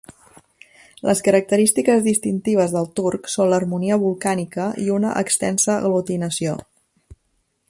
Les característiques distintives del turc són l'harmonia vocàlica i una extensa aglutinació.